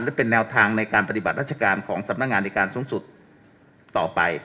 และเป็นแนวทางในการปฏิบัติราชการของสำนักงานในการสูงสุดต่อไป